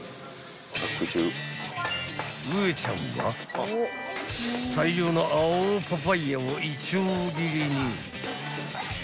［ウエちゃんは大量の青パパイヤをいちょう切りに］